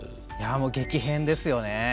激変ですよね。